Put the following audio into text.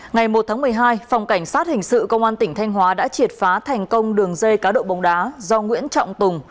ngày một tháng một mươi hai phòng cảnh sát hình sự công an tỉnh thanh hóa đã triệt phá thành công đường dây cá độ bóng đá do nguyễn trọng tùng